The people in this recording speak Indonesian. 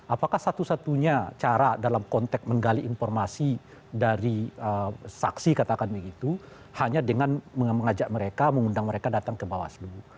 apakah satu satunya cara dalam konteks menggali informasi dari saksi katakan begitu hanya dengan mengajak mereka mengundang mereka datang ke bawaslu